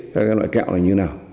các loại kẹo này như nào